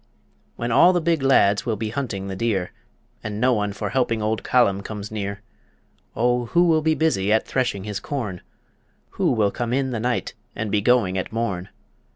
When all the big lads will be hunting the deer, And no one for helping Old Callum comes near, O who will be busy at threshing his corn? Who will come in the night and be going at morn?